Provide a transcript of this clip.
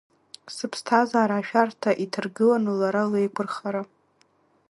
Сыԥсҭазаара ашәарҭа иҭаргыланы, лара леиқәырхара…